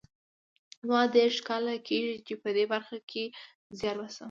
زما دېرش کاله کېږي چې په دې برخه کې زیار باسم